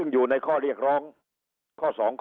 อยู่ในข้อเรียกร้องข้อ๒ข้อ